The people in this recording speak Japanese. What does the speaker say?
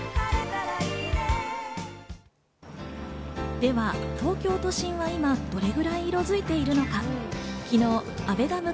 では、東京都心は今どれくらい色づいているのか。